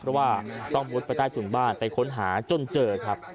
เพราะว่าต้องมุดไปใต้ถุนบ้านไปค้นหาจนเจอครับ